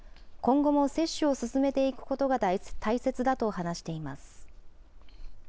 今後も接種を進めていくことが大切だと話しています。